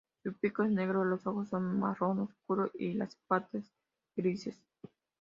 Su pico es negro, los ojos son marrón oscuro y las patas grises.